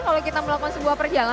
kalau kita melakukan sebuah perjalanan